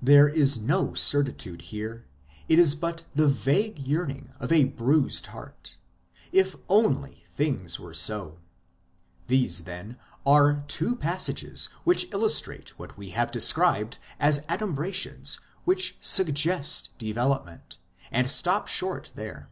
There is no certitude here ; it is but the vague yearning of a bruised heart : If only things were so ! These, then, are two passages which illustrate what we have described as adumbrations which suggest development, and stop short there.